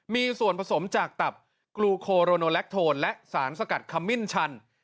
มีส่วนผสมจากตับกลูโคโรโนแลคโทนและสารสกัดขมิ้นชัน